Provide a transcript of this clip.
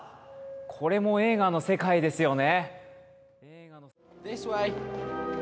これも映画の世界ですよね。